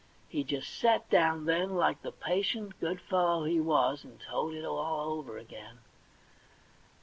He just sat down then, like the patient, good fellow he was, and told it all over again.